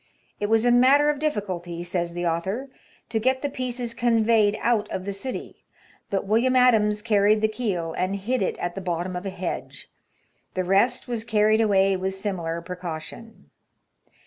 It was a matter of difficulty," says the author, to get the pieces conveyed out of the city ; but William Adams carried the keel, and hid it at the bottom of a hedge; the rest was carried away with similar pre caution."